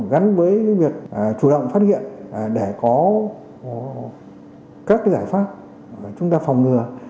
gắn với cái việc chủ động phát hiện để có các cái giải pháp để chúng ta phòng ngừa